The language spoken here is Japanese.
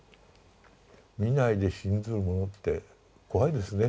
見ないで信ずるものって怖いですね。